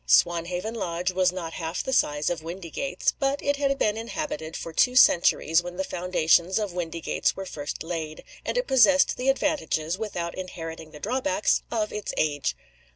Swanhaven Lodge was not half the size of Windygates; but it had been inhabited for two centuries when the foundations of Windygates were first laid and it possessed the advantages, without inheriting the drawbacks, of its age.